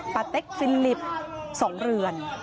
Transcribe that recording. เต็กฟิลิป๒เรือน